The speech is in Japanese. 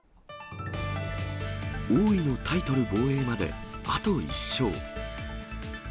王位のタイトル防衛まであと１勝。